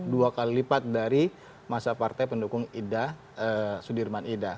dua kali lipat dari masa partai pendukung ida sudirman ida